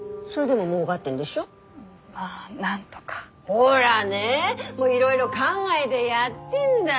ほらねいろいろ考えでやってんだ。